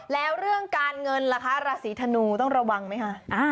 แล้วเรื่องการเงินล่ะคะราศีธนูต้องระวังไหมคะ